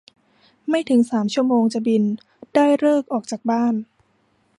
ไม่ถึงสามชั่วโมงจะบิน ได้ฤกษ์ออกจากบ้าน